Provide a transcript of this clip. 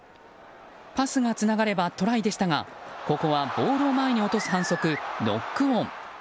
パスがつながればトライでしたがここはボールを前に落とす反則ノックオン。